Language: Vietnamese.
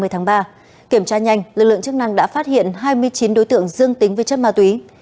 hai mươi tháng ba kiểm tra nhanh lực lượng chức năng đã phát hiện hai mươi chín đối tượng dương tính với chất ma túy